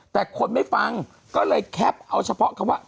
แต่คนไม่ฟังก็เลยแคปเอาเฉพาะคำว่า